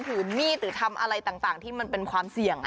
ถือมีดหรือทำอะไรต่างที่มันเป็นความเสี่ยง